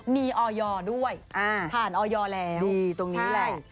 มีออยอร์ด้วยผ่านออยอร์แล้วดีตรงนี้แหละ